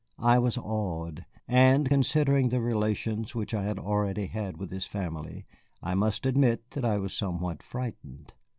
I was awed, and considering the relations which I had already had with his family, I must admit that I was somewhat frightened.